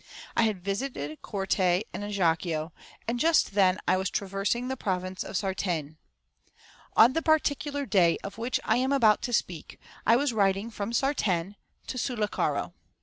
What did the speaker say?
I had visited Corte and Ajaccio, and just then I was traversing the province of Sartène. On the particular day of which I am about to speak I was riding from Sartène to Sullacaro.